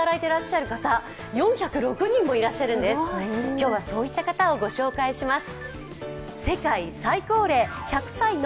今日はそういった方をご紹介します。